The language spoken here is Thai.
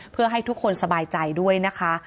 เพื่อให้ทุกคนสบายใจด้วยนะคะ